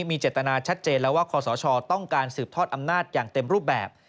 มีเจตนาชัดเจนแล้วว่าคอสชต้องการสืบทอดอำนาจอย่างเต็มรูปแบบ